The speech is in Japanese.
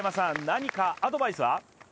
何かアドバイスは？